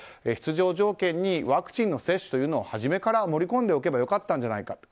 出場条件にワクチンの接種を初めから盛り込んでおけば良かったんじゃないか。